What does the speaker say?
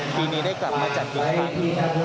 ปีนี้ได้กลับมาจัดการ